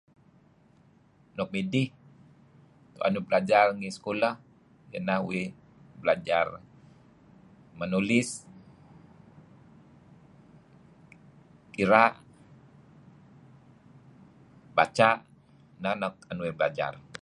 Nuk midih tuen uih belajar ngi sekolah renga' uih belajar menulis, kira', baca', Neh nuk tuen uih belajar.